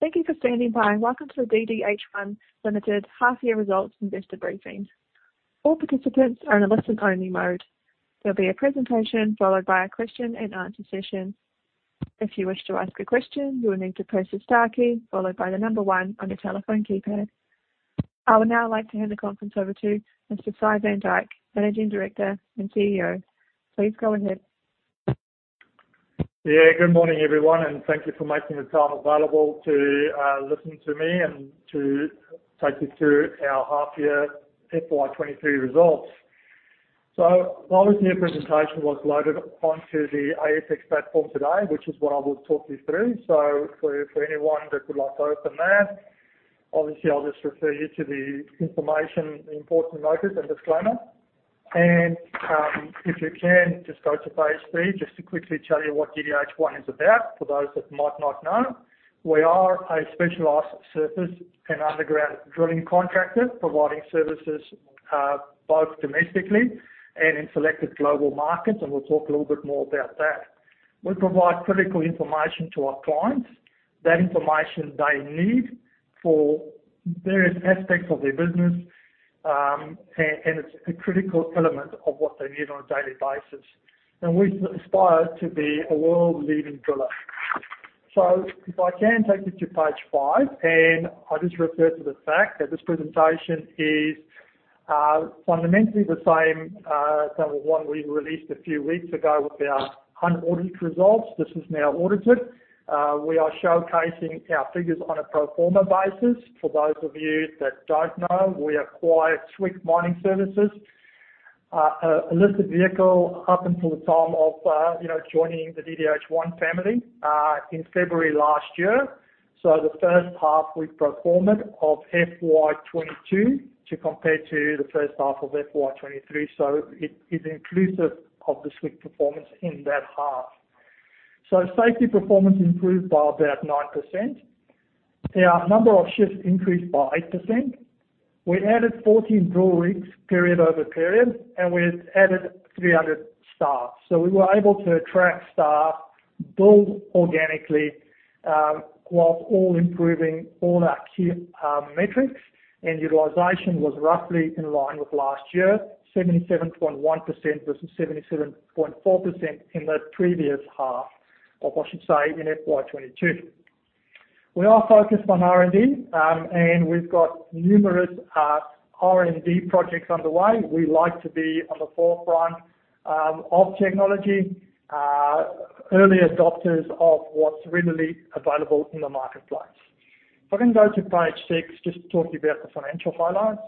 Thank you for standing by, welcome to the DDH1 Limited half year results investor briefing. All participants are in a listen only mode. There'll be a presentation followed by a question and answer session. If you wish to ask a question, you will need to press the star key followed by the 1 on your telephone keypad. I would now like to hand the conference over to Mr. Sy van Dyk, Managing Director and CEO. Please go ahead. Good morning, everyone, and thank thank you for making the time available to listen to me and to take you through our half year FY23 results. Obviously, our presentation was loaded onto the ASX platform today, which is what I will talk you through. For anyone that would like to open that, obviously, I'll just refer you to the information, the important notice and disclaimer. If you can, just go to page 3 just to quickly tell you what DDH1 is about for those that might not know. We are a specialized surface and underground drilling contractor providing services both domestically and in selected global markets, and we'll talk a little bit more about that. We provide critical information to our clients. That information they need for various aspects of their business, and it's a critical element of what they need on a daily basis. We aspire to be a world-leading driller. If I can take you to page five, and I just refer to the fact that this presentation is fundamentally the same, the one we released a few weeks ago with our unaudited results. This is now audited. We are showcasing our figures on a pro forma basis. For those of you that don't know, we acquired Swick Mining Services, a listed vehicle up until the time of, you know, joining the DDH1 family, in February last year. The first half we've pro forma'd of FY22 to compare to the first half of FY23. It is inclusive of the Swick performance in that half. Safety performance improved by about 9%. Our number of shifts increased by 8%. We added 14 drill rigs period over period, and we added 300 staff. We were able to attract staff, build organically, whilst all improving all our key metrics, and utilization was roughly in line with last year, 77.1% versus 77.4% in the previous half, or I should say in FY22. We are focused on R&D, and we've got numerous R&D projects underway. We like to be on the forefront of technology, early adopters of what's readily available in the marketplace. If I can go to page 6 just to talk to you about the financial highlights.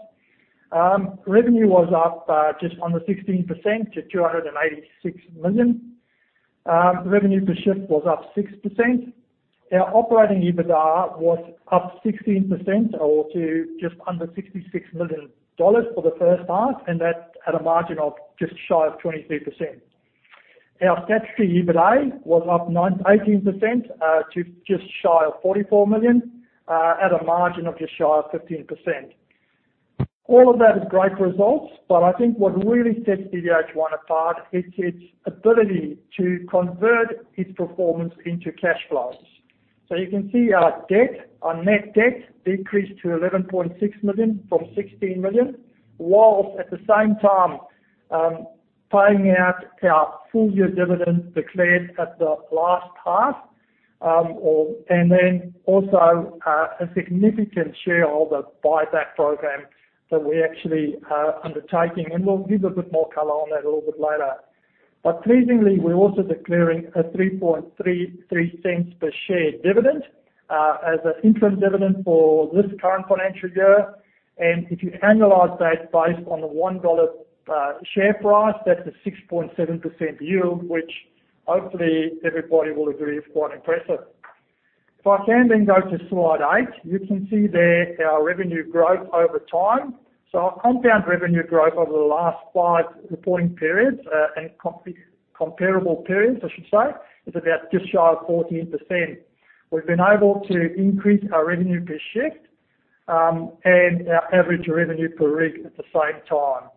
Revenue was up just under 16% to 286 million. Revenue per shift was up 6%. Our operating EBITDA was up 16% or to just under 66 million dollars for the first half. That at a margin of just shy of 23%. Our statutory EBITA was up 18% to just shy of 44 million at a margin of just shy of 15%. All of that is great results. I think what really sets DDH1 apart is its ability to convert its performance into cash flows. You can see our debt, our net debt decreased to 11.6 million from 16 million, whilst at the same time, paying out our full year dividend declared at the last half, a significant shareholder buyback program that we're actually undertaking. We'll give a bit more color on that a little bit later. Pleasingly, we're also declaring a 0.0333 per share dividend as an interim dividend for this current financial year. If you annualize that based on the 1 dollar share price, that's a 6.7% yield, which hopefully everybody will agree is quite impressive. If I can then go to slide 8. You can see there our revenue growth over time. Our compound revenue growth over the last 5 reporting periods and comparable periods, I should say, is about just shy of 14%. We've been able to increase our revenue per shift and our average revenue per rig at the same time.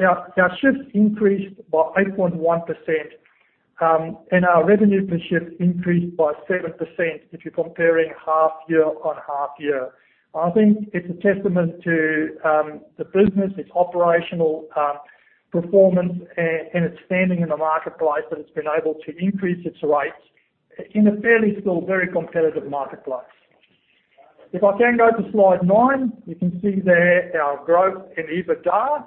Our shifts increased by 8.1%, and our revenue per shift increased by 7% if you're comparing half year-on-half year. I think it's a testament to the business, its operational performance and its standing in the marketplace that it's been able to increase its rates in a fairly still very competitive marketplace. If I can go to slide 9, you can see there our growth in EBITDA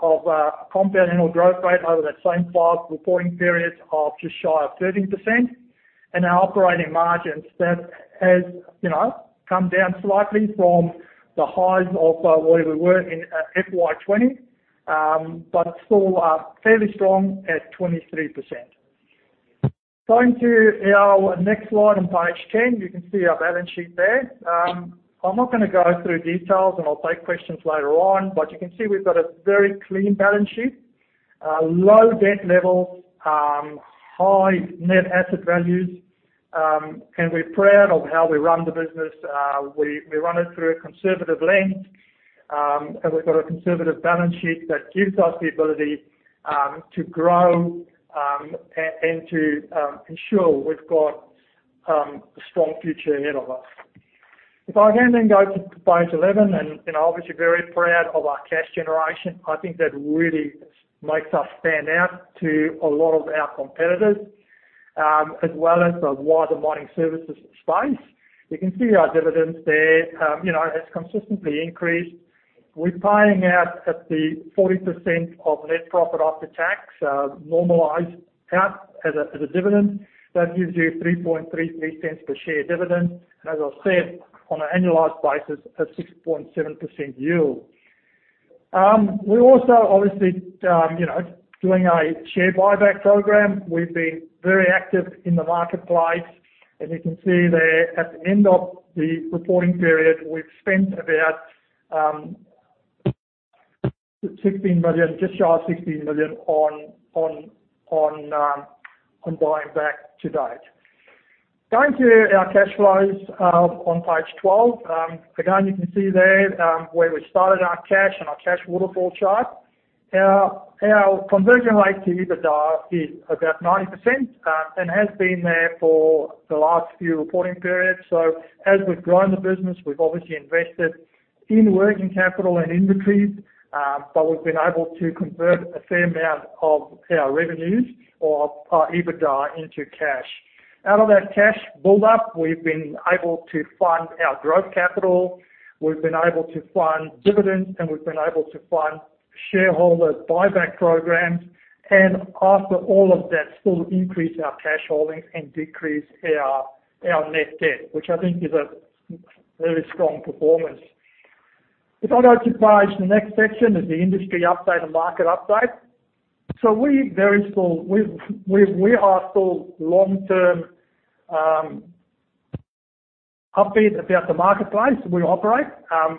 of a compound annual growth rate over that same 5 reporting period of just shy of 13%. Our operating margins, that has, you know, come down slightly from the highs of where we were in FY20. It's still fairly strong at 23%. Going to our next slide on page 10, you can see our balance sheet there. I'm not going to go through details, and I'll take questions later on. You can see we've got a very clean balance sheet. Low debt levels, high net asset values, we're proud of how we run the business. We run it through a conservative lens. We've got a conservative balance sheet that gives us the ability to grow and to ensure we've got a strong future ahead of us. If I can then go to page 11, you know, obviously very proud of our cash generation. I think that really makes us stand out to a lot of our competitors, as well as the wider mining services space. You can see our dividends there. You know, it's consistently increased. We're paying out at the 40% of net profit after tax, normalized out as a dividend. That gives you 0.0333 per share dividend, as I said, on an annualized basis, a 6.7% yield. We're also obviously, you know, doing a share buyback program. We've been very active in the marketplace. You can see there at the end of the reporting period, we've spent about $16 million, just shy of $16 million on buying back to date. Going to our cash flows on page 12. Again, you can see there where we started our cash on our cash waterfall chart. Our conversion rate to EBITDA is about 90%, has been there for the last few reporting periods. As we've grown the business, we've obviously invested in working capital and inventories, but we've been able to convert a fair amount of our revenues or our EBITDA into cash. Out of that cash build-up, we've been able to fund our growth capital, we've been able to fund dividends, and we've been able to fund shareholder buyback programs. After all of that, still increase our cash holdings and decrease our net debt, which I think is a very strong performance. If I go to page... The next section is the industry update and market update. We are still long-term upbeat about the marketplace we operate,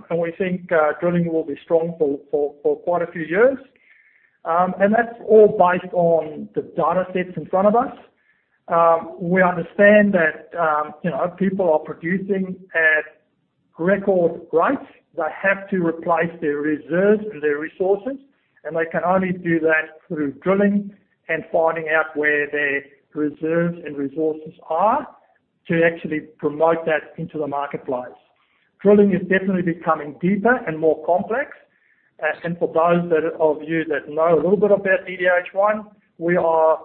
and we think drilling will be strong for quite a few years. That's all based on the data sets in front of us. We understand that, you know, people are producing at record rates. They have to replace their reserves and their resources, and they can only do that through drilling and finding out where their reserves and resources are to actually promote that into the marketplace. Drilling is definitely becoming deeper and more complex. For those that, of you that know a little bit about DDH1, we are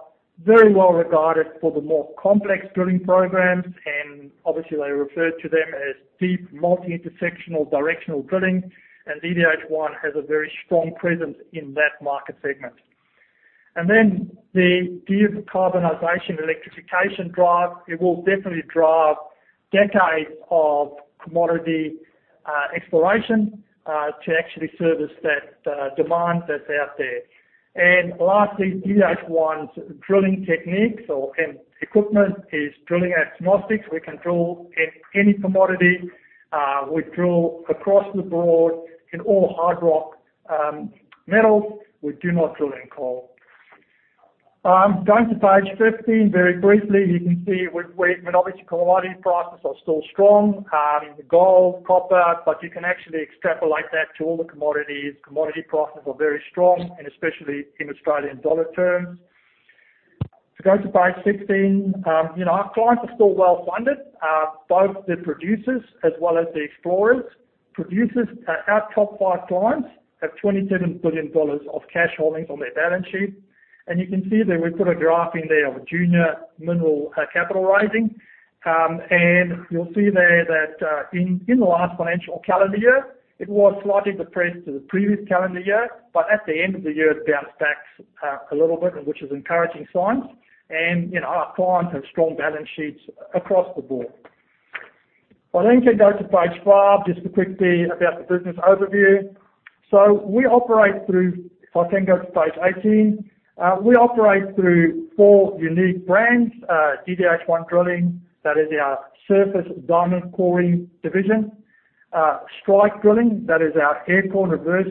very well regarded for the more complex drilling programs, and obviously they refer to them as deep multi-intersectional directional drilling. DDH1 has a very strong presence in that market segment. The decarbonization electrification drive, it will definitely drive decades of commodity exploration to actually service that demand that's out there. Lastly, DDH1's drilling techniques or, and equipment is drilling agnostic. We can drill in any commodity. We drill across the board in all hard rock metals. We do not drill in coal. Going to page 15, very briefly, you can see we and obviously commodity prices are still strong in the gold, copper, but you can actually extrapolate that to all the commodities. Commodity prices are very strong and especially in Australian dollar terms. If you go to page 16, you know, our clients are still well-funded, both the producers as well as the explorers. Producers, our top five clients have 27 billion dollars of cash holdings on their balance sheet. You can see that we've put a graph in there of junior mineral capital raising. You'll see there that in the last financial calendar year, it was slightly depressed to the previous calendar year. At the end of the year, it bounced back a little bit, which is encouraging signs. You know, our clients have strong balance sheets across the board. I'll go to page 5 just quickly about the business overview. We operate through four unique brands. DDH1 Drilling, that is our surface diamond coring division. Strike Drilling, that is our air core reverse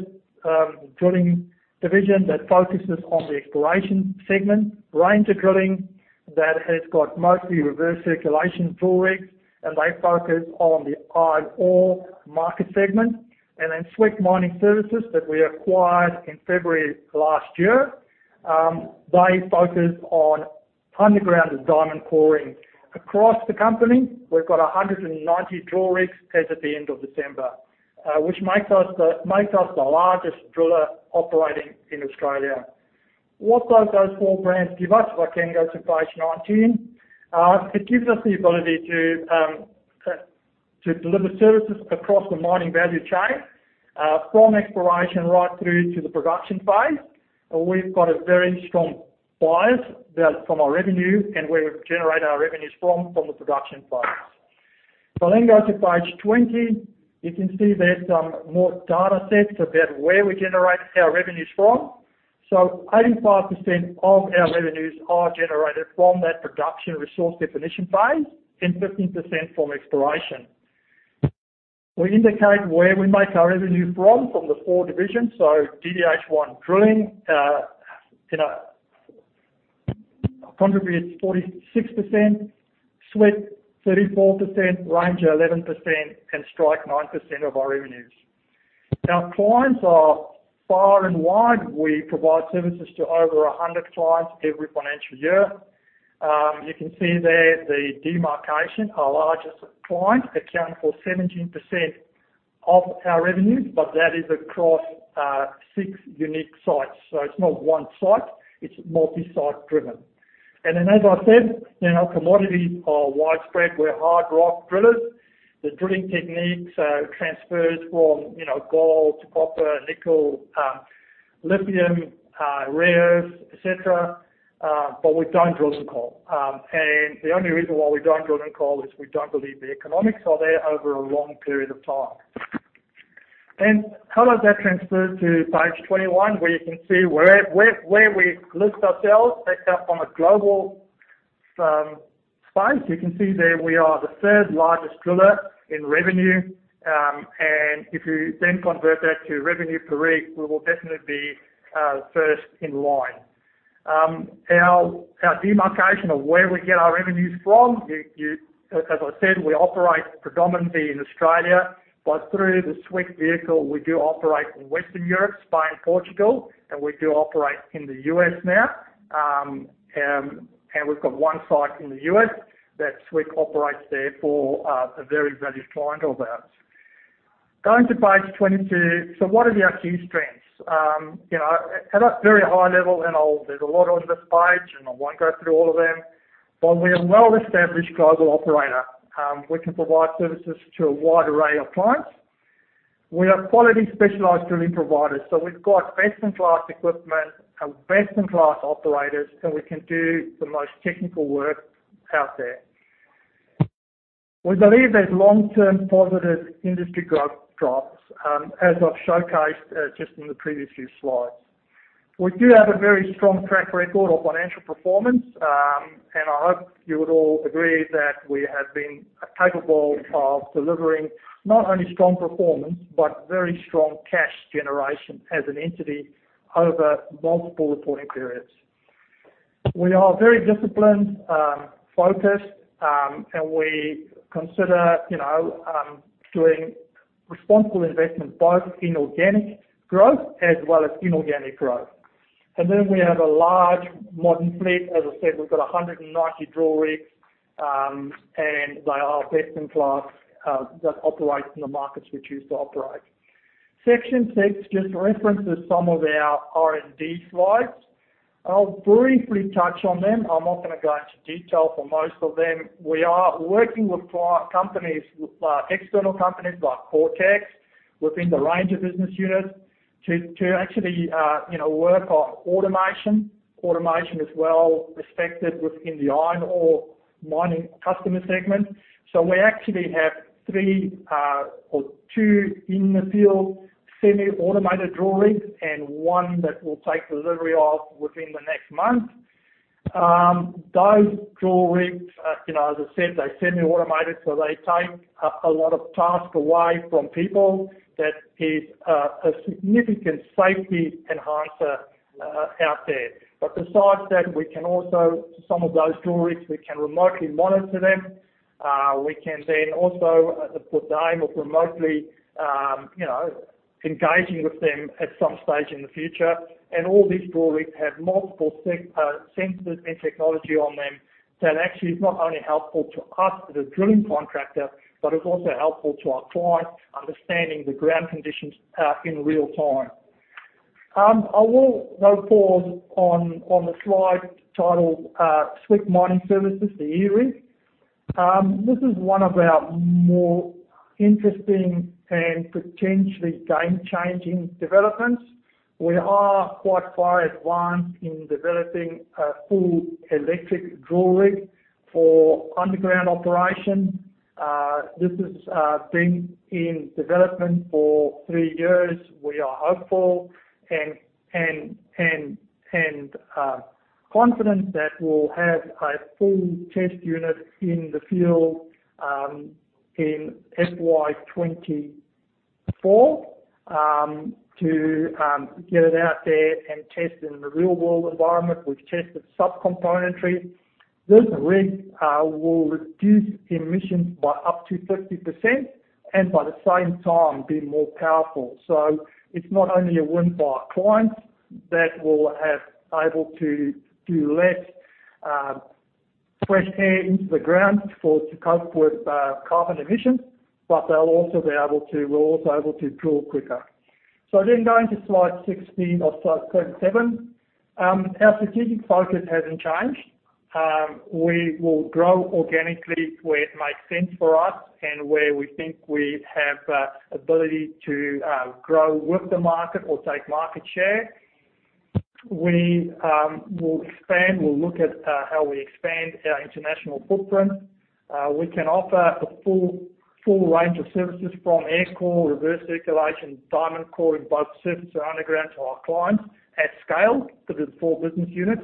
drilling division that focuses on the exploration segment. Ranger Drilling, that has got mostly reverse circulation drill rigs, and they focus on the iron ore market segment. Swick Mining Services that we acquired in February last year, they focus on underground diamond coring. Across the company, we've got 190 drill rigs as at the end of December, which makes us the largest driller operating in Australia. What do those four brands give us? If I can go to page 19. It gives us the ability to deliver services across the mining value chain, from exploration right through to the production phase. We've got a very strong bias from our revenue and where we generate our revenues from the production phase. I then go to page 20. You can see there some more data sets about where we generate our revenues from. 85% of our revenues are generated from that production resource definition phase and 15% from exploration. We indicate where we make our revenue from the four divisions. DDH1 Drilling, you know, Contributes 46%. Swick 34%. Ranger 11% and Strike 9% of our revenues. Clients are far and wide. We provide services to over 100 clients every financial year. You can see there the demarcation. Our largest client account for 17% of our revenues, but that is across 6 unique sites. It's not one site, it's multi-site driven. Then as I said, you know, commodity are widespread. We're hard rock drillers. The drilling techniques transfers from, you know, gold to copper, nickel, lithium, rares, et cetera, but we don't drill to coal. The only reason why we don't drill in coal is we don't believe the economics are there over a long period of time. How does that transfer to page 21, where you can see where we list ourselves based up on a global space. You can see there, we are the third largest driller in revenue. If you then convert that to revenue per rig, we will definitely be first in line. Our demarcation of where we get our revenues from, as I said, we operate predominantly in Australia, but through the Swick vehicle, we do operate in Western Europe, Spain, Portugal, and we do operate in the US now. We've got one site in the US that Swick operates there for a very valued client of ours. Going to page 22. What are our key strengths? You know, at a very high level, there's a lot on this page, and I won't go through all of them. We are a well-established global operator. We can provide services to a wide array of clients. We are quality specialized drilling providers, so we've got best-in-class equipment and best-in-class operators, and we can do the most technical work out there. We believe there's long-term positive industry growth prospects, as I've showcased, just in the previous few slides. We do have a very strong track record of financial performance, and I hope you would all agree that we have been capable of delivering not only strong performance, but very strong cash generation as an entity over multiple reporting periods. We are very disciplined, focused, and we consider, you know, doing responsible investments both in organic growth as well as inorganic growth. We have a large modern fleet. As I said, we've got 190 drill rigs, they are best in class that operates in the markets we choose to operate. Section 6 just references some of our R&D slides. I'll briefly touch on them. I'm not gonna go into detail for most of them. We are working with client companies, with external companies like Cortex within the Ranger business unit to actually, you know, work on automation. Automation is well-respected within the iron ore mining customer segment. We actually have three, or two in the field, semi-automated drill rigs and one that we'll take delivery of within the next month. Those drill rigs, you know, as I said, they're semi-automated, they take a lot of task away from people. That is a significant safety enhancer out there. Besides that, we can also, some of those drill rigs, we can remotely monitor them. We can also at a potential of remotely, you know, engaging with them at some stage in the future. All these drill rigs have multiple sensors and technology on them that actually is not only helpful to us as a drilling contractor, but is also helpful to our clients understanding the ground conditions in real time. I will now pause on the slide titled Swick Mining Services, the E-Rig. This is one of our more interesting and potentially game-changing developments. We are quite far advanced in developing a full electric drill rig for underground operation. This has been in development for 3 years. We are hopeful and confident that we'll have a full test unit in the field in FY24 to get it out there and test it in the real world environment. We've tested subcomponentry. This rig will reduce emissions by up to 50% and by the same time be more powerful. It's not only a win by our clients that will have able to do less fresh air into the ground to cope with carbon emissions, but we're also able to drill quicker. Going to slide 16 or slide 27. Our strategic focus hasn't changed. We will grow organically where it makes sense for us and where we think we have ability to grow with the market or take market share. We will expand. We'll look at how we expand our international footprint. We can offer a full range of services from air core, reverse circulation, diamond coring, both surface and underground, to our clients at scale with the four business units.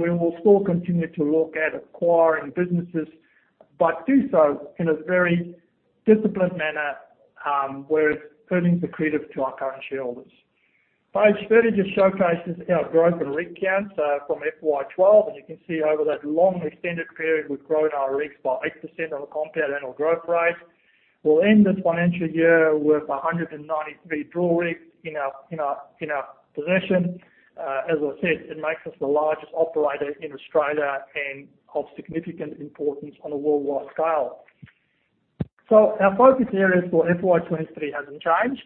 We will still continue to look at acquiring businesses, but do so in a very disciplined manner. Where it's earnings accretive to our current shareholders. Page 30 just showcases our growth in rig counts from FY12. You can see over that long extended period, we've grown our rigs by 8% on a compound annual growth rate. We'll end this financial year with 193 drill rigs in our possession. As I said, it makes us the largest operator in Australia and of significant importance on a worldwide scale. Our focus areas for FY23 hasn't changed.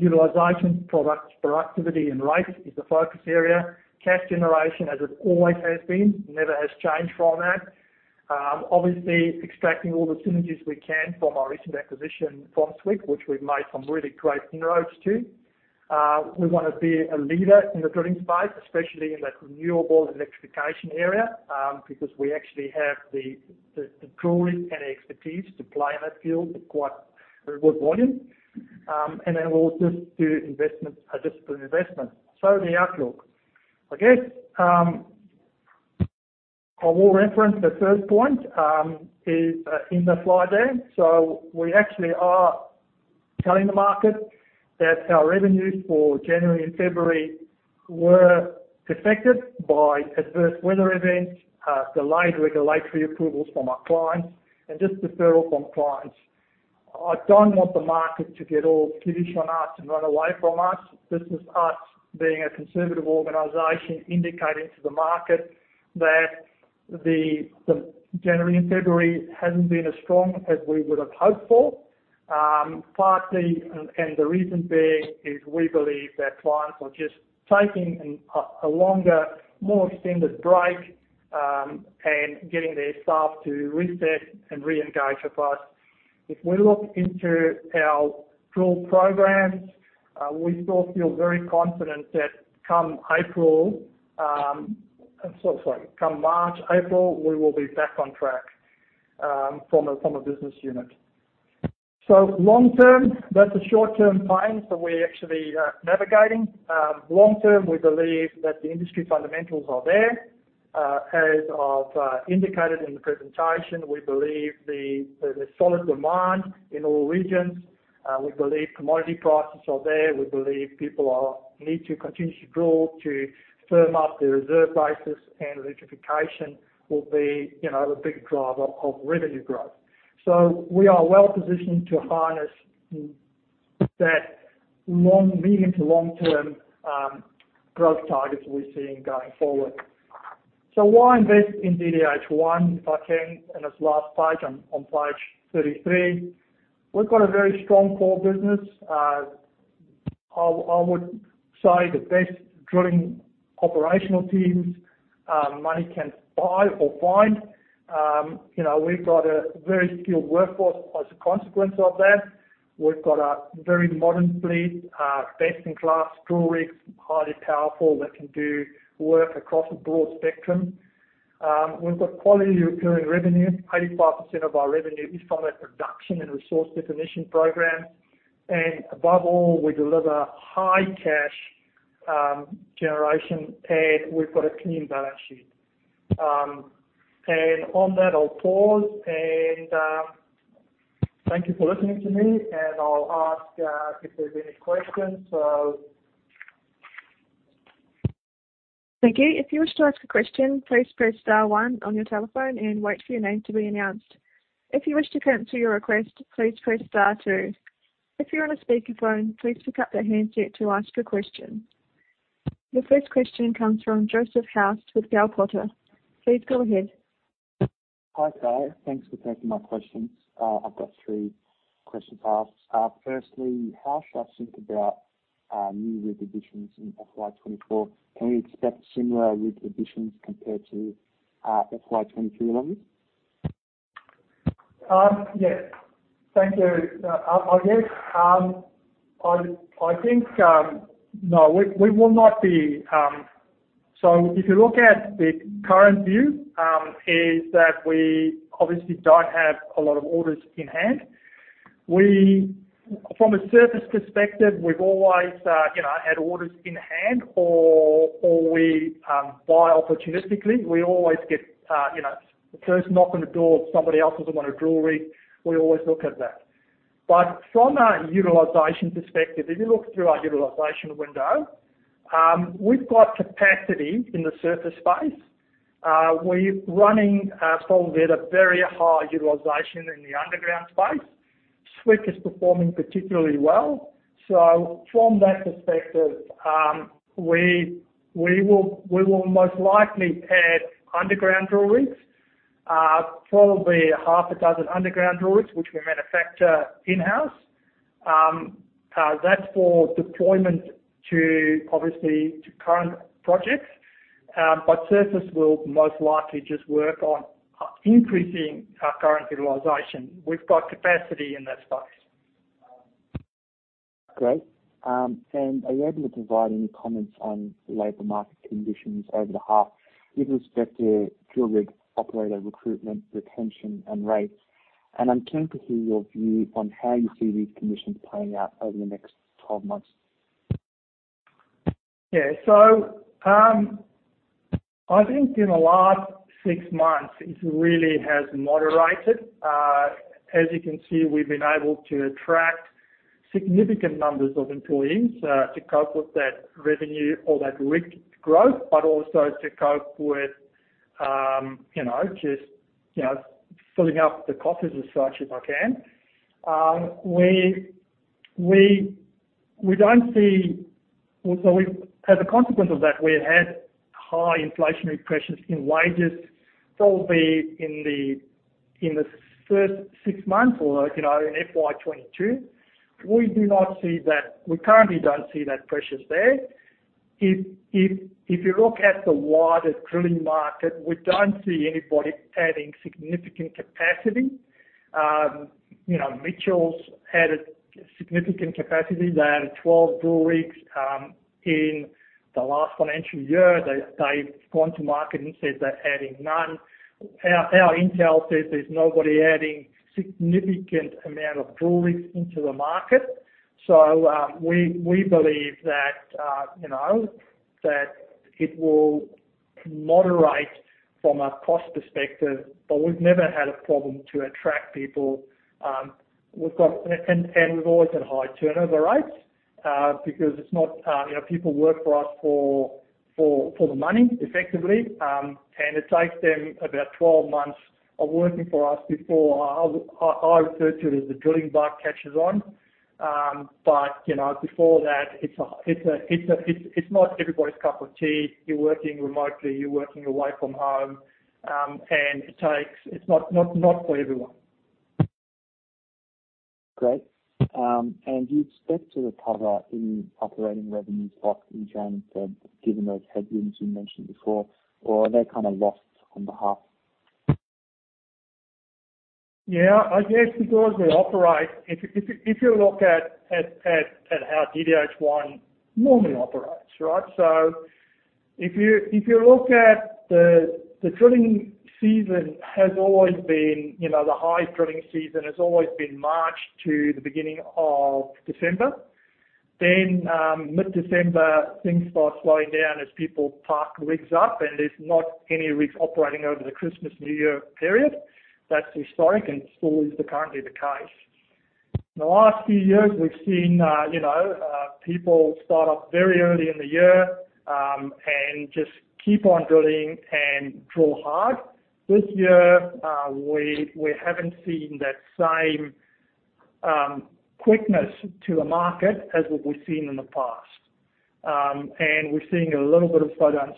Utilization, product productivity, and rates is the focus area. Cash generation as it always has been, never has changed from that. Obviously extracting all the synergies we can from our recent acquisition from Swick, which we've made some really great inroads to. We wanna be a leader in the drilling space, especially in that renewable electrification area, because we actually have the drilling and expertise to play in that field with quite a good volume. We'll just do investment, a disciplined investment. The outlook. I guess I will reference the first point is in the slide there. We actually are telling the market that our revenues for January and February were affected by adverse weather events, delayed regulatory approvals from our clients and just deferral from clients. I don't want the market to get all skittish on us and run away from us. This is us being a conservative organization indicating to the market that the January and February hasn't been as strong as we would have hoped for. Partly, and the reason being is we believe that clients are just taking a longer, more extended break and getting their staff to reset and reengage with us. If we look into our drill programs, we still feel very confident that come April. Sorry, come March, April, we will be back on track from a business unit. Long term, that's a short-term pain that we're actually navigating. Long term, we believe that the industry fundamentals are there. As I've indicated in the presentation, we believe the solid demand in all regions. We believe commodity prices are there. We believe people need to continue to drill to firm up their reserve bases, and electrification will be, you know, the big driver of revenue growth. We are well positioned to harness that long, medium to long term growth targets we're seeing going forward. Why invest in DDH1, if I can, in this last page on page 33? We've got a very strong core business. I would say the best drilling operational teams, money can buy or find. You know, we've got a very skilled workforce as a consequence of that. We've got a very modern fleet, best in class drill rigs, highly powerful, that can do work across a broad spectrum. We've got quality recurring revenue. 85% of our revenue is from our production and resource definition programs. Above all, we deliver high cash generation, and we've got a clean balance sheet. On that, I'll pause and thank you for listening to me, and I'll ask if there's any questions. Thank you. If you wish to ask a question, please press star one on your telephone and wait for your name to be announced. If you wish to cancel your request, please press star two. If you're on a speakerphone, please pick up the handset to ask your question. Your first question comes from Joseph House with Bell Potter. Please go ahead. Hi, Dave. Thanks for taking my questions. I've got three questions to ask. firstly, how should I think about new rig additions in FY24? Can we expect similar rig additions compared to FY23 levels? Yeah. Thank you. I guess, I think... No, we will not be... If you look at the current view, is that we obviously don't have a lot of orders in hand. From a surface perspective, we've always, you know, had orders in hand or we buy opportunistically. We always get, you know, if there's a knock on the door, somebody else doesn't want a drill rig, we always look at that. From a utilization perspective, if you look through our utilization window, we've got capacity in the surface space. We're running from there at a very high utilization in the underground space. Swick is performing particularly well. From that perspective, we will most likely add underground drill rigs, probably 6 underground drill rigs, which we manufacture in-house. That's for deployment to obviously to current projects. Surface we'll most likely just work on increasing our current utilization. We've got capacity in that space. Great. Are you able to provide any comments on labor market conditions over the half with respect to drill rig operator recruitment, retention and rates? I'm keen to hear your view on how you see these conditions playing out over the next 12 months. Yeah. I think in the last six months, it really has moderated. As you can see, we've been able to attract significant numbers of employees to cope with that revenue or that rig growth, but also to cope with, you know, just, you know, filling up the coffees as such if I can. We don't see. As a consequence of that, we had high inflationary pressures in wages, probably in the, in the first six months or, you know, in FY22. We do not see that. We currently don't see that pressures there. If you look at the wider drilling market, we don't see anybody adding significant capacity. You know, Mitchell's added significant capacity. They added 12 drill rigs in the last financial year. They've gone to market and said they're adding none. Our intel says there's nobody adding significant amount of drill rigs into the market. We believe that, you know, that it will moderate from a cost perspective, but we've never had a problem to attract people. We've always had high turnover rates, because it's not, you know, people work for us for the money effectively. It takes them about 12 months of working for us before I refer to it as the drilling bug catches on. You know, before that, it's not everybody's cup of tea. You're working remotely. You're working away from home. It's not for everyone. Great. Do you expect to recover in operating revenues in January and February, given those headwinds you mentioned before? Are they kind of lost on behalf? Yeah, I guess because we operate. If you look at how DDH1 normally operates, right? If you look at the drilling season has always been, you know, the high drilling season has always been March to the beginning of December. Mid-December, things start slowing down as people park rigs up, and there's not any rigs operating over the Christmas, New Year period. That's historic and still is currently the case. The last few years we've seen, you know, people start up very early in the year, and just keep on drilling and drill hard. This year, we haven't seen that same quickness to the market as what we've seen in the past. We're seeing a little bit of slowdown.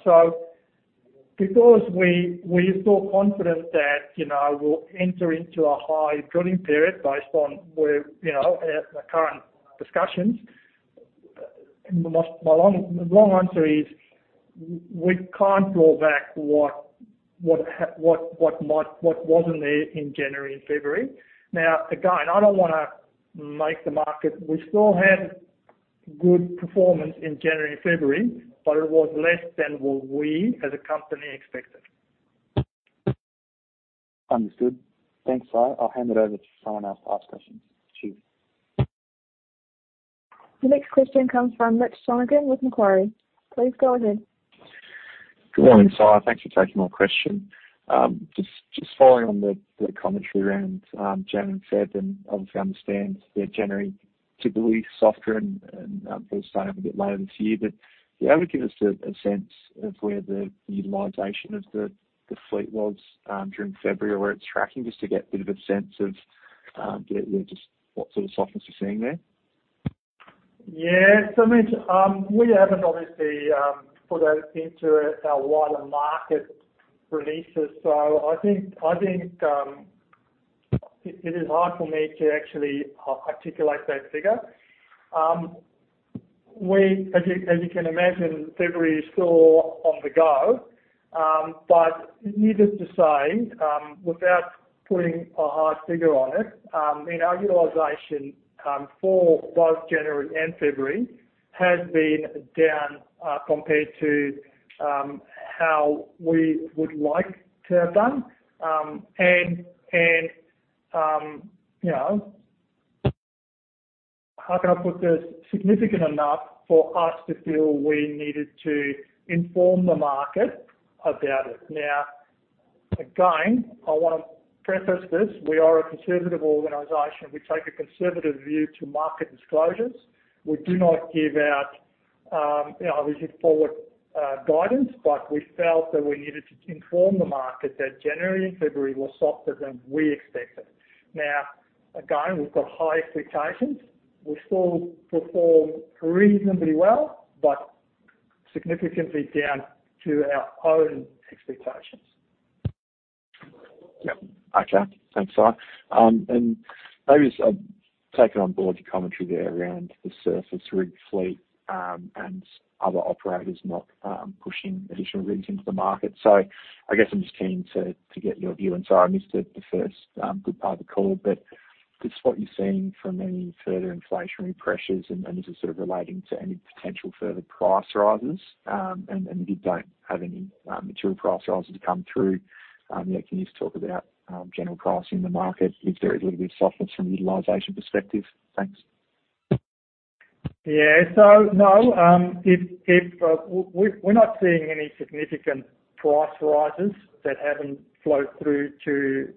Because we're still confident that, you know, we'll enter into a high drilling period based on where, you know, our current discussions. My long answer is we can't draw back what might, what wasn't there in January and February. Again, I don't wanna make the market. We still had good performance in January and February, but it was less than what we as a company expected. Understood. Thanks, sir. I'll hand it over to someone else to ask questions. Cheers. The next question comes from Mitchell Sonogan with Macquarie. Please go ahead. Good morning, Sy. Thanks for taking my question. Just following on the commentary around Jan and Feb, and obviously understand that Jan typically softer and people starting a bit later this year. Be able to give us a sense of where the utilization of the fleet was during February or where it's tracking, just to get a bit of a sense of, yeah, just what sort of softness you're seeing there. Yeah. Mitch, we haven't obviously put those into our wider market releases. I think it is hard for me to actually articulate that figure. As you can imagine, February is still on the go. Needless to say, without putting a hard figure on it, you know, our utilization for both January and February has been down compared to how we would like to have done. You know, how can I put this? Significant enough for us to feel we needed to inform the market about it. Now, again, I wanna preface this. We are a conservative organization. We take a conservative view to market disclosures. We do not give out, you know, obviously forward guidance, but we felt that we needed to inform the market that January and February were softer than we expected. Again, we've got high expectations. We still performed reasonably well, but significantly down to our own expectations. Yep. Okay. Thanks, Sy. Maybe I've taken on board your commentary there around the surface rig fleet, and other operators not pushing additional rigs into the market. I guess I'm just keen to get your view, sorry, I missed the first good part of the call, just what you're seeing from any further inflationary pressures and is it sort of relating to any potential further price rises? You don't have any material price rises to come through. Can you just talk about general pricing in the market if there is a little bit of softness from a utilization perspective? Thanks. Yeah. No, if we're not seeing any significant price rises that haven't flowed through to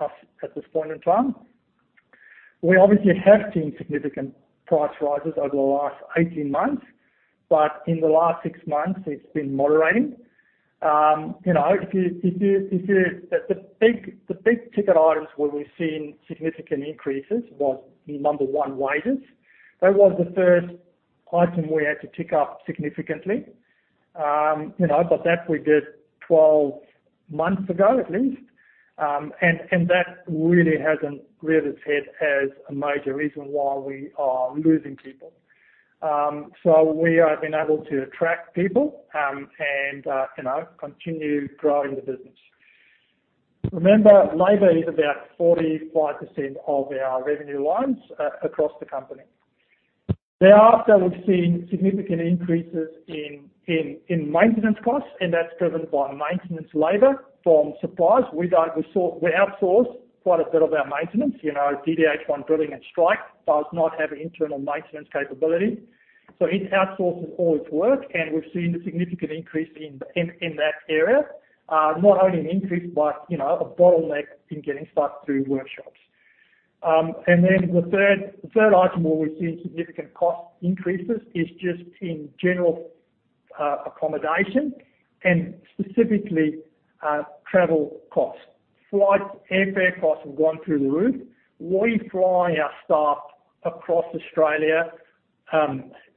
us at this point in time. We obviously have seen significant price rises over the last 18 months, but in the last 6 months it's been moderating. You know, if you the big-ticket items where we've seen significant increases was, number 1, wages. That was the first item we had to tick up significantly. You know, that we did 12 months ago at least. That really hasn't reared its head as a major reason why we are losing people. We have been able to attract people, and you know, continue growing the business. Remember, labor is about 45% of our revenue lines across the company. Thereafter, we've seen significant increases in maintenance costs, and that's driven by maintenance labor from suppliers. We outsource quite a bit of our maintenance. You know, DDH1 Drilling and Strike does not have internal maintenance capability, so it outsources all its work and we've seen a significant increase in that area. Not only an increase but, you know, a bottleneck in getting stuff through workshops. Then the third, the third item where we've seen significant cost increases is just in general, accommodation and specifically, travel costs. Flights, airfare costs have gone through the roof. We fly our staff across Australia,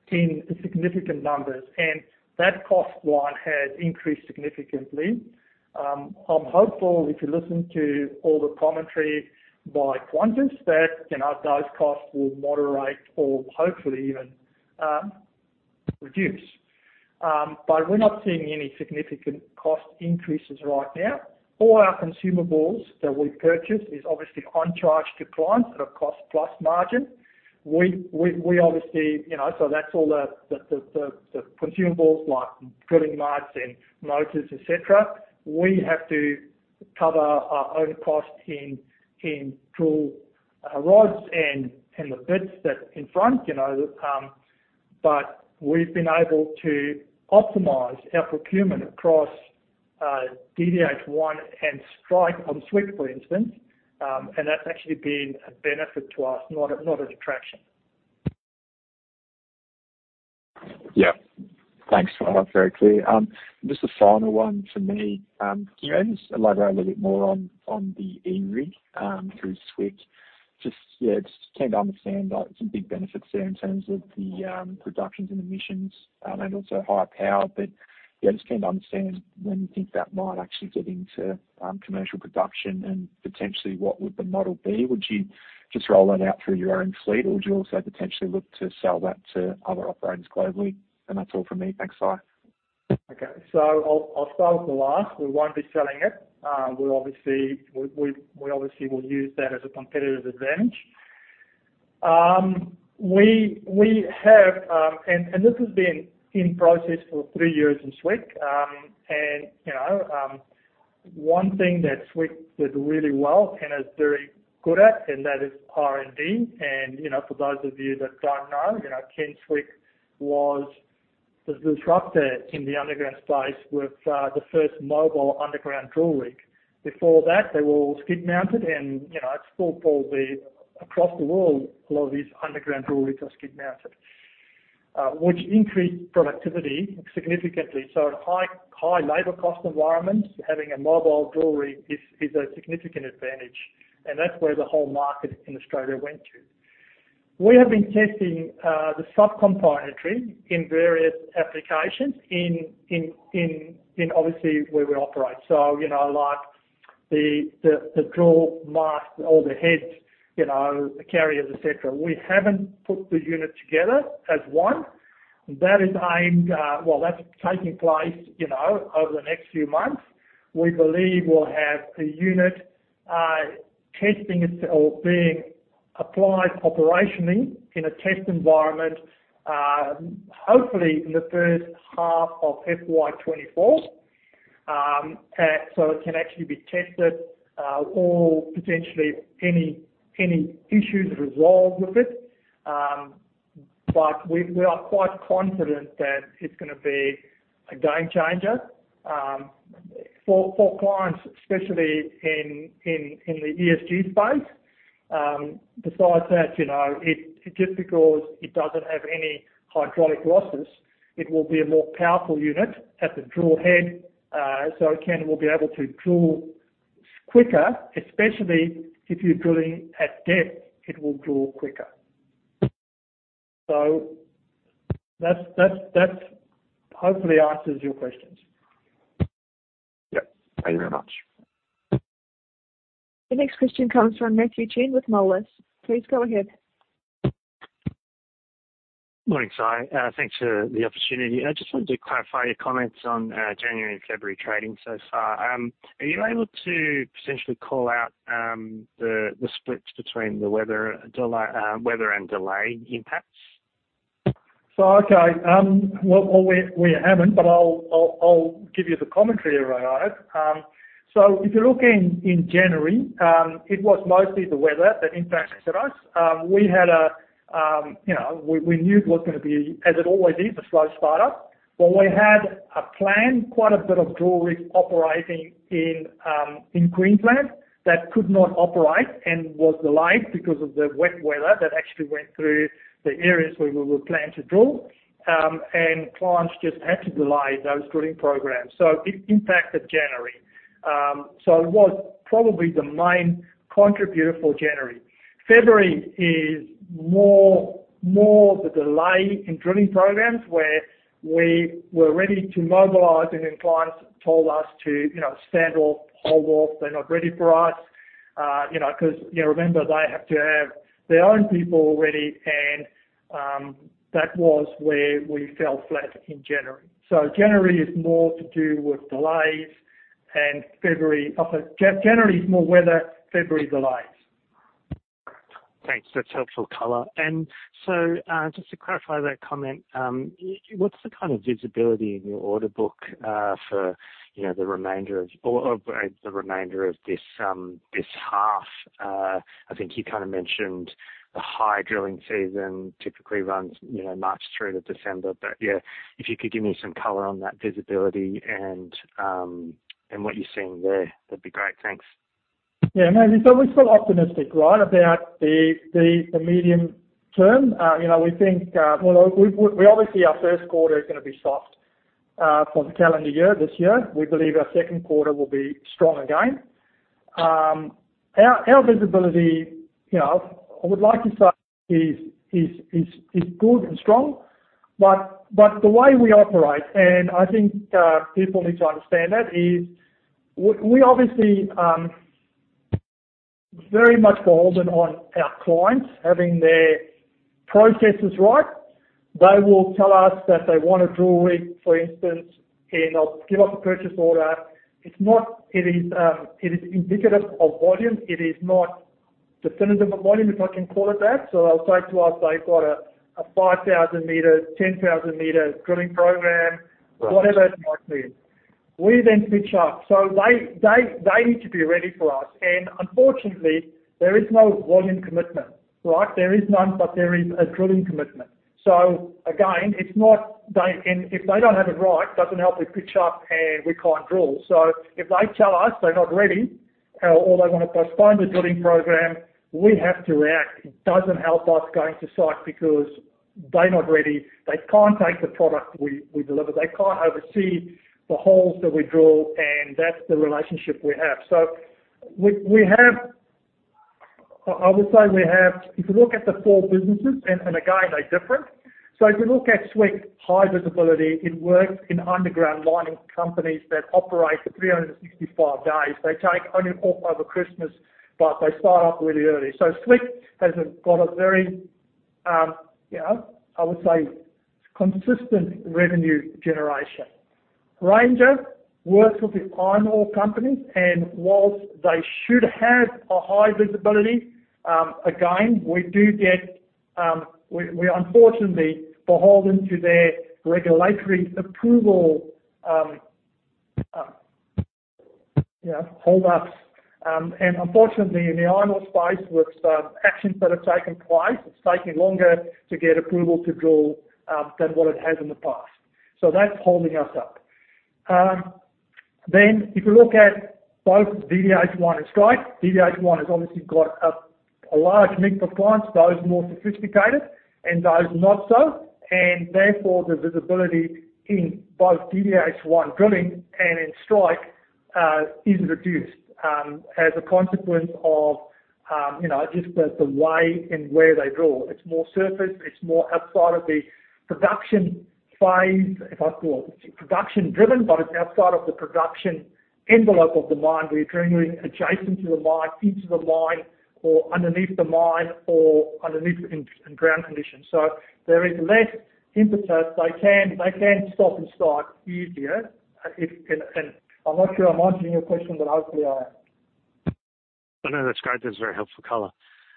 in significant numbers, and that cost line has increased significantly. I'm hopeful if you listen to all the commentary by Qantas that, you know, those costs will moderate or hopefully even reduce. We're not seeing any significant cost increases right now. All our consumables that we purchase is obviously on charge to clients at a cost plus margin. We obviously, you know, that's all the consumables like drilling bits and motors, et cetera. We have to cover our own costs in drill rods and the bits that in front, you know, we've been able to optimize our procurement across DDH1 and Strike on Swick, for instance. That's actually been a benefit to us, not a detraction. Yeah. Thanks. That's very clear. Just a final one for me. Can you just elaborate a little bit more on the E-rig through Swick? Just came to understand some big benefits there in terms of the reductions in emissions and also higher power. Just came to understand when you think that might actually get into commercial production and potentially what would the model be? Would you just roll that out through your own fleet or would you also potentially look to sell that to other operators globally? That's all from me. Thanks, Sy. I'll start with the last. We won't be selling it. We'll obviously, we obviously will use that as a competitive advantage. We have. This has been in process for three years in Swick. You know, one thing that Swick did really well and is very good at, and that is R&D. You know, for those of you that don't know, you know, Kent Swick was the disruptor in the underground space with the first mobile underground drill rig. Before that, they were all skid-mounted, and you know, it's still called the across the world, a lot of these underground drill rigs are skid-mounted, which increased productivity significantly. In high, high labor cost environments, having a mobile drill rig is a significant advantage, and that's where the whole market in Australia went to. We have been testing the sub-componentry in various applications in obviously where we operate. You know, like the drill mast or the heads, you know, the carriers, et cetera. We haven't put the unit together as one. That is aimed, well, that's taking place, you know, over the next few months. We believe we'll have the unit testing itself or being applied operationally in a test environment, hopefully in the first half of FY24. And so it can actually be tested or potentially any issues resolved with it. We are quite confident that it's gonna be a game changer for clients, especially in the ESG space. Besides that, you know, just because it doesn't have any hydraulic losses, it will be a more powerful unit at the drill head. It will be able to drill quicker, especially if you're drilling at depth, it will drill quicker. That's hopefully answers your questions. Yeah. Thank you very much. The next question comes from Matthew Chen with Moelis. Please go ahead. Morning, Sy. Thanks for the opportunity. I just wanted to clarify your comments on January and February trading so far. Are you able to potentially call out the splits between the weather and delay impacts? Okay, well, well we haven't, but I'll, I'll give you the commentary around it. If you look in January, it was mostly the weather that impacted us. We had a, you know, we knew it was gonna be as it always is, a slow starter. We had a plan, quite a bit of drill rig operating in Queensland that could not operate and was delayed because of the wet weather that actually went through the areas where we were planning to drill. Clients just had to delay those drilling programs. It impacted January. It was probably the main contributor for January. February is more, more the delay in drilling programs where we were ready to mobilize and then clients told us to, you know, stand off, hold off. They're not ready for us. you know, 'cause, you know, remember they have to have their own people ready and that was where we fell flat in January. January is more to do with delays and February... Okay, January is more weather, February delays. Thanks. That's helpful color. Just to clarify that comment, what's the kind of visibility in your order book for, you know, the remainder of this half? I think you kind of mentioned the high drilling season typically runs, you know, March through to December. Yeah, if you could give me some color on that visibility and what you're seeing there, that'd be great. Thanks. Maybe. We're still optimistic, right? About the medium term. you know, we think, well, we obviously our first quarter is gonna be soft for the calendar year this year. We believe our second quarter will be strong again. Our visibility, you know, I would like to say is good and strong. The way we operate, and I think people need to understand that, is we obviously very much beholden on our clients having their processes right. They will tell us that they want a drill rig, for instance, and they'll give us a purchase order. It's not. It is indicative of volume. It is not definitive of volume, if I can call it that. They'll say to us, they've got a 5,000 meter, 10,000 meter drilling program. Right. Whatever it might be. We switch up. They need to be ready for us. Unfortunately, there is no volume commitment. Right? There is none. There is a drilling commitment. Again, it's not. If they don't have it right, doesn't help we pitch up and we can't drill. If they tell us they're not ready, or they wanna postpone the drilling program, we have to react. It doesn't help us going to site because they're not ready. They can't take the product we deliver. They can't oversee the holes that we drill. That's the relationship we have. We have. I would say we have. If you look at the four businesses and again, they're different. If you look at Swick, high visibility in works, in underground mining companies that operate for 365 days. They take only off over Christmas, but they start up really early. Swick has got a very, you know, I would say, consistent revenue generation. Ranger works with the iron ore companies, and whilst they should have a high visibility, again, we do get, we're unfortunately beholden to their regulatory approval, you know, hold ups. Unfortunately in the iron ore space with actions that have taken place, it's taking longer to get approval to draw than what it has in the past. That's holding us up. If you look at both DDH1 and Strike, DDH1 has obviously got a large mix of clients, those more sophisticated and those not so. The visibility in both DDH1 Drilling and in Strike, is reduced, as a consequence of, you know, just the way and where they draw. It's more surface. It's more outside of the production phase if I call it. It's production driven, but it's outside of the production envelope of the mine. We're drilling adjacent to the mine, into the mine or underneath the mine or underneath in ground conditions. There is less impetus. They can stop and start easier if. I'm not sure I'm answering your question, but hopefully I am. Oh, no, that's great. That's very helpful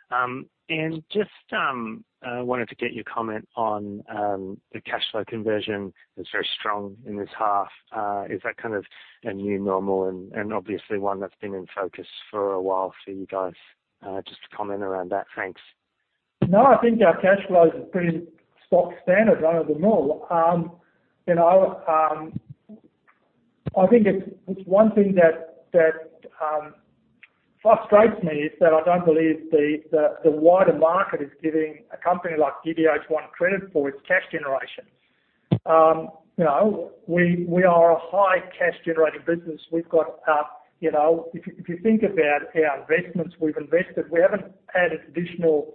color. Just wanted to get your comment on the cash flow conversion. It's very strong in this half. Is that kind of a new normal and obviously one that's been in focus for a while for you guys? Just a comment around that. Thanks. I think our cash flow is pretty stock standard rather than normal. You know, I think it's one thing that frustrates me is that I don't believe the wider market is giving a company like DDH1 credit for its cash generation. You know, we are a high cash generating business. We've got, you know, if you think about our investments we've invested, we haven't had additional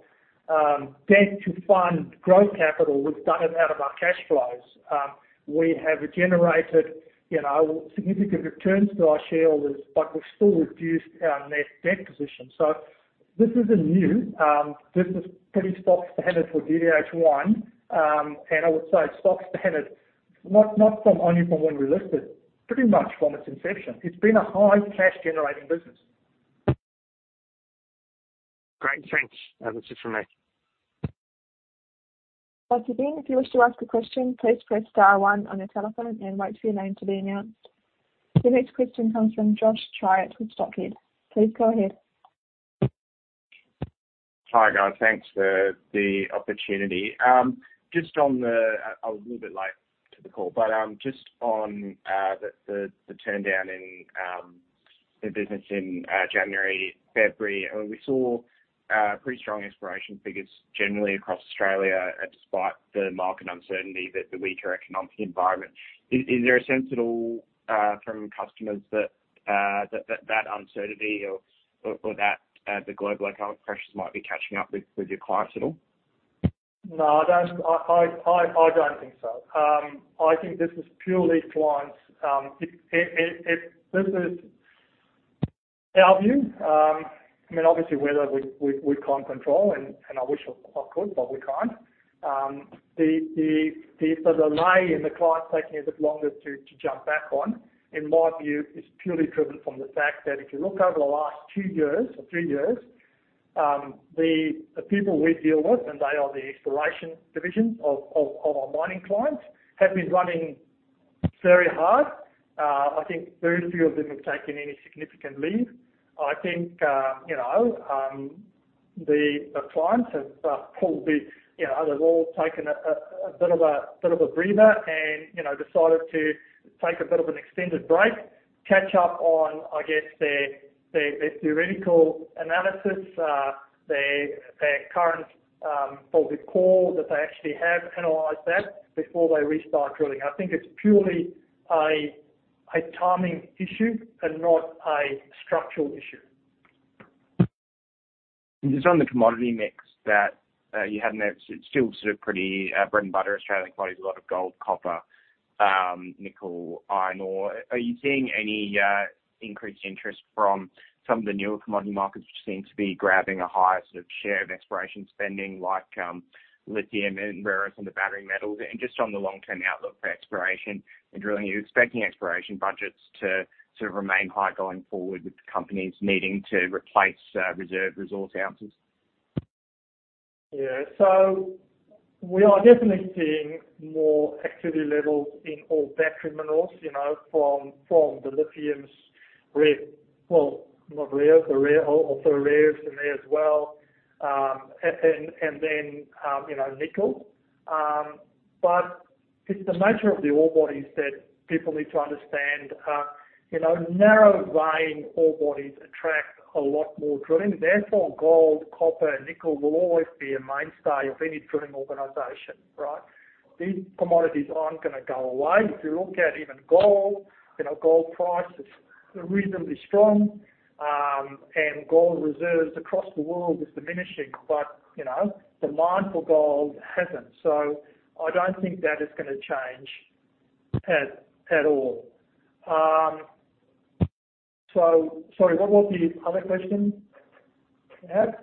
debt to fund growth capital. We've done it out of our cash flows. We have generated, you know, significant returns to our shareholders, we've still reduced our net debt position. This isn't new. This is pretty stock standard for DDH1. I would say stock standard, not from only from when we listed, pretty much from its inception. It's been a high cash generating business. Great. Thanks. That's it from me. Thank you, Chen. If you wish to ask a question, please press star 1 on your telephone and wait for your name to be announced. The next question comes from Josh Charles at Wilsons Advisory. Please go ahead. Hi, guys. Thanks for the opportunity. I was a little bit late to the call, but just on the turn down in the business in January, February, we saw pretty strong exploration figures generally across Australia, despite the market uncertainty that the weaker economic environment. Is there a sense at all from customers that that uncertainty or that the global economic pressures might be catching up with your clients at all? No, I don't... I don't think so. I think this is purely clients. This is our view. I mean, obviously weather we can't control, and I wish I could, but we can't. The delay in the clients taking a bit longer to jump back on, in my view, is purely driven from the fact that if you look over the last two years or three years, the people we deal with, and they are the exploration division of our mining clients, have been running very hard. I think very few of them have taken any significant leave. I think, you know, the clients have pulled the, you know, they've all taken a bit of a breather and, you know, decided to take a bit of an extended break, catch up on, I guess their, their theoretical analysis, their current, all the core that they actually have, analyze that before they restart drilling. I think it's purely a timing issue and not a structural issue. Just on the commodity mix that you had there. It's still sort of pretty, bread and butter Australian commodities, a lot of gold, copper, nickel, iron ore. Are you seeing any increased interest from some of the newer commodity markets which seem to be grabbing a higher sort of share of exploration, spending like lithium and rare earth and the battery metals? Just on the long-term outlook for exploration and drilling, are you expecting exploration budgets to sort of remain high going forward with companies needing to replace reserve resource ounces? Yeah. We are definitely seeing more activity levels in all battery metals, you know, from the lithiums, rares in there as well. You know, nickel. It's the nature of the ore bodies that people need to understand. You know, narrow vein ore bodies attract a lot more drilling. Therefore, gold, copper, nickel will always be a mainstay of any drilling organization, right? These commodities aren't gonna go away. If you look at even gold, you know, gold price is reasonably strong, gold reserves across the world is diminishing. You know, demand for gold hasn't. I don't think that is gonna change at all. Sorry, what was the other question you had?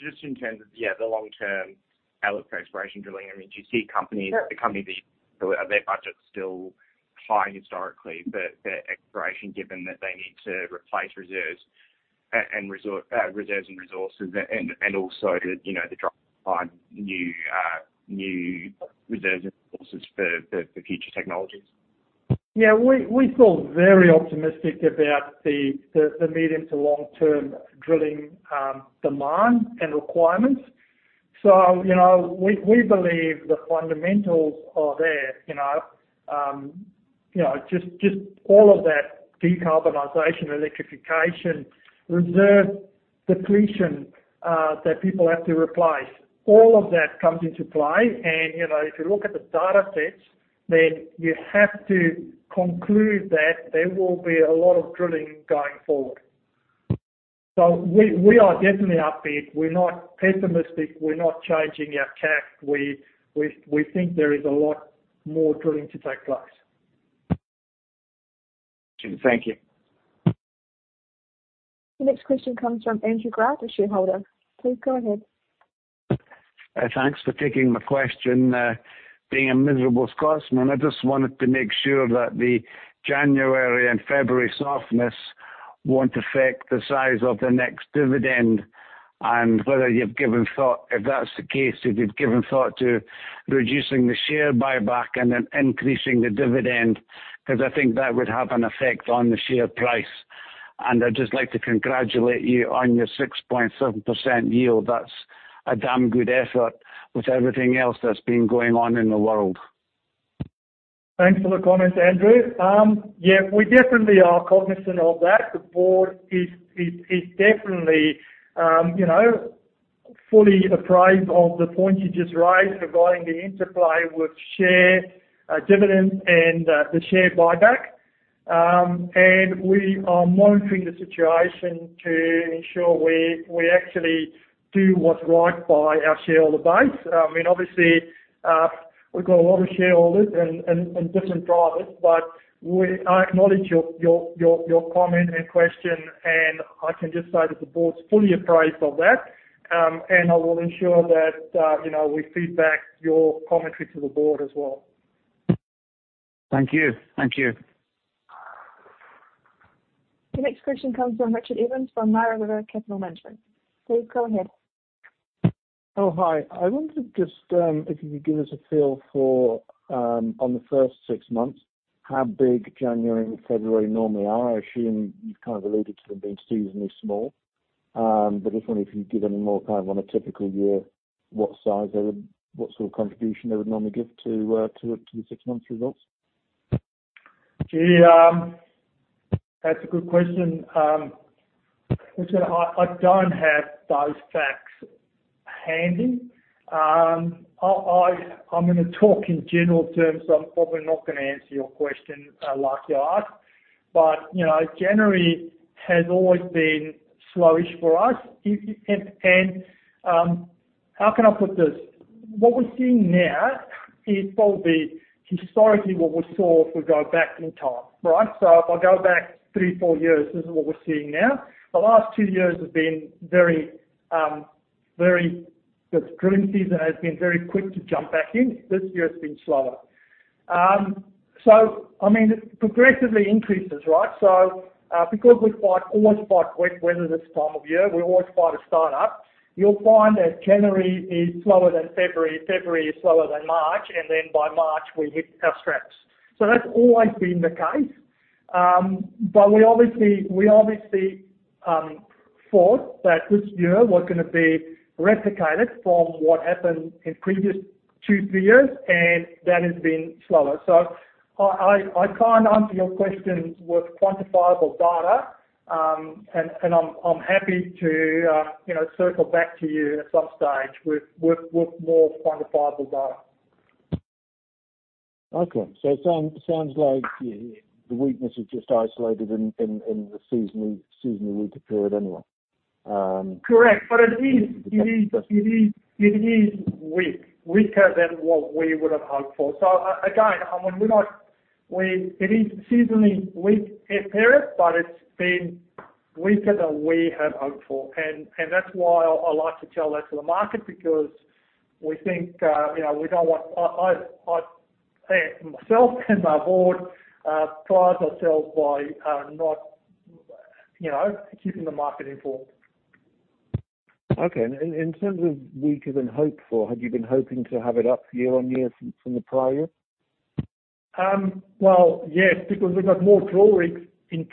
Just in terms of, yeah, the long term outlook for exploration drilling. I mean, do you see companies? Yeah. becoming the are their budgets still high historically for exploration, given that they need to replace reserves and resources and also the, you know, the drive to find new reserves and resources for future technologies? Yeah. We feel very optimistic about the medium to long-term drilling demand and requirements. you know, we believe the fundamentals are there, you know. you know, just all of that decarbonization, electrification, reserve depletion that people have to replace. All of that comes into play. you know, if you look at the data sets, you have to conclude that there will be a lot of drilling going forward. We are definitely upbeat. We're not pessimistic. We're not changing our cash. We think there is a lot more drilling to take place. Thank you. The next question comes from Andrew Grant, a shareholder. Please go ahead. Thanks for taking my question. Being a miserable Scotsman, I just wanted to make sure that the January and February softness won't affect the size of the next dividend. Whether you've given thought, if that's the case, if you've given thought to reducing the share buyback and then increasing the dividend, 'cause I think that would have an effect on the share price. I'd just like to congratulate you on your 6.7% yield. That's a damn good effort with everything else that's been going on in the world. Thanks for the comments, Andrew. Yeah, we definitely are cognizant of that. The board is definitely, you know, fully appraised of the point you just raised regarding the interplay with share, dividend and the share buyback. We are monitoring the situation to ensure we actually do what's right by our shareholder base. I mean, obviously, we've got a lot of shareholders and different drivers, but I acknowledge your comment and question, and I can just say that the board's fully appraised of that. I will ensure that, you know, we feedback your commentary to the board as well. Thank you. Thank you. The next question comes from Richard Evans from Mara River Capital Management. Please go ahead. Hi. I wonder if just, if you could give us a feel for on the first six months, how big January and February normally are. I assume you've kind of alluded to them being seasonally small, but just wonder if you give any more kind of on a typical year, what sort of contribution they would normally give to the six months results? Yeah, that's a good question. Richard, I don't have those facts handy. I'm gonna talk in general terms. I'm probably not gonna answer your question like you asked, you know, January has always been slowish for us. How can I put this? What we're seeing now is probably historically what we saw if we go back in time, right? If I go back three, four years, this is what we're seeing now. The last two years have been very quick to jump back in. This year it's been slower. I mean, it progressively increases, right? Because we always fight wet weather this time of year, we always fight a start up. You'll find that January is slower than February is slower than March, and then by March we hit our straps. That's always been the case. We obviously thought that this year was gonna be replicated from what happened in previous 2, 3 years, and that has been slower. I can't answer your question with quantifiable data. I'm happy to, you know, circle back to you at some stage with more quantifiable data. sounds like the weakness is just isolated in the seasonally weaker period anyway. Correct. It is weak. Weaker than what we would have hoped for. Again, I mean, it is seasonally weak period, but it's been weaker than we had hoped for. That's why I like to tell that to the market because we think, you know, I, myself and my board pride ourselves by not, you know, keeping the market informed. Okay. In terms of weaker than hoped for, had you been hoping to have it up year-on-year from the prior year? Well, yes, because we've got more drill rigs in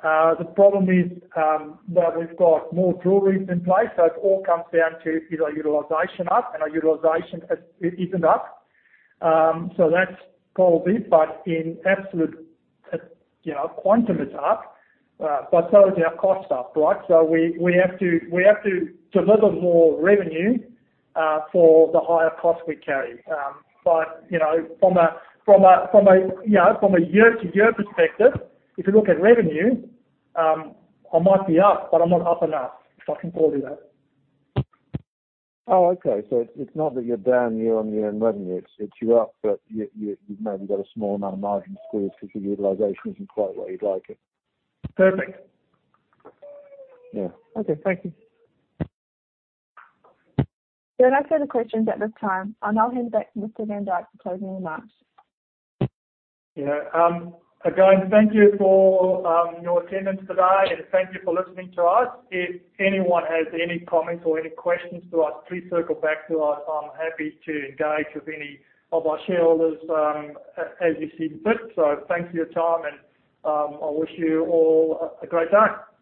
place. The problem is, that we've got more drill rigs in place, so it all comes down to is our utilization up? Our utilization isn't up. That's probably it. In absolute, you know, quantum it's up, but so is our cost up, right We have to deliver more revenue for the higher cost we carry. You know, from a, from a, from a, you know, from a year-over-year perspective, if you look at revenue, I might be up, but I'm not up enough. If I can call it that. Okay. It's not that you're down year-on-year in revenue, it's you're up, but you've maybe got a small amount of margin squeeze because your utilization isn't quite where you'd like it. Perfect. Yeah. Okay. Thank you. There are no further questions at this time. I'll now hand back to Mr. Van Dyk for closing remarks. Again, thank you for your attendance today. Thank you for listening to us. If anyone has any comments or any questions to us, please circle back to us. I'm happy to engage with any of our shareholders as you see fit. Thank you for your time, and I wish you all a great day. Thank you.